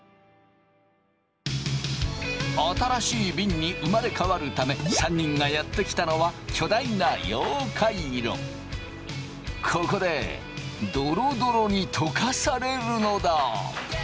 新しいびんに生まれ変わるため３人がやって来たのは巨大なここでドロドロに溶かされるのだ。